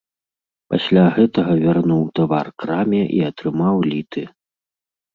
Пасля гэтага вярнуў тавар краме і атрымаў літы.